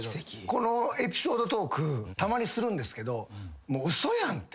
このエピソードトークたまにするんですけど。